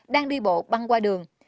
đang đi bộ băng qua đường